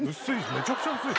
めちゃくちゃ薄い。